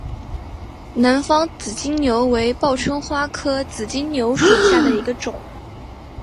南方紫金牛为报春花科紫金牛属下的一个种。